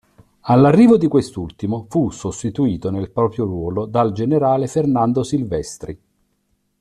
All'arrivo di quest'ultimo fu sostituito nel proprio ruolo dal generale Fernando Silvestri.